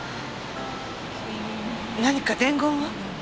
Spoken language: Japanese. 何か伝言は？